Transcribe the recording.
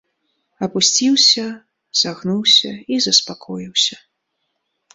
Апусціўся, сагнуўся і заспакоіўся.